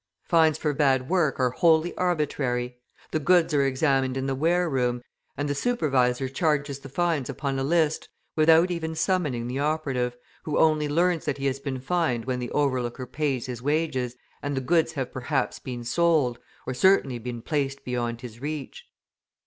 Fines for bad work are wholly arbitrary; the goods are examined in the wareroom, and the supervisor charges the fines upon a list without even summoning the operative, who only learns that he has been fined when the overlooker pays his wages, and the goods have perhaps been sold, or certainly been placed beyond his reach.